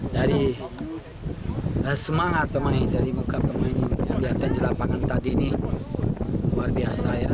dari semangat pemain dari muka pemain kelihatan di lapangan tadi ini luar biasa ya